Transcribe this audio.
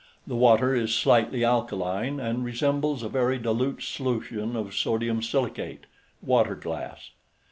The water is slightly alkaline and resembles a very dilute solution of sodium silicate (water glass).